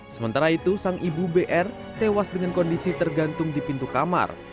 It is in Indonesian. sementara itu sang ibu br tewas dengan kondisi tergantung di pintu kamar